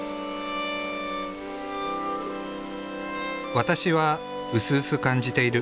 「ワタシ」はうすうす感じている。